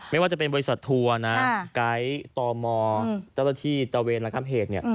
ไม่ว่าจะเป็นบริษัททัวร์นะไกท์ตมตรที่ตะเวนหลังทางเพศเนี่ย